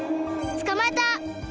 つかまえた！